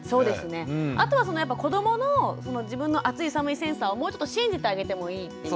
あとはそのやっぱ子どもの自分の暑い寒いセンサーをもうちょっと信じてあげてもいいっていう。